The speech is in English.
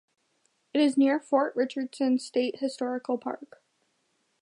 It is near Fort Richardson State Historical Park.